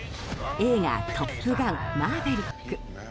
映画「トップガンマーヴェリック」。